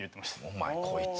お前こいつ！